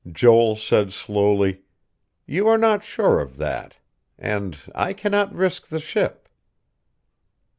Joel said slowly: "You are not sure of that. And I cannot risk the ship...."